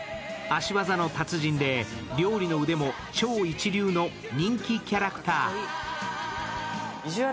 足技の達人で、料理の腕も超一流の人気キャラクター。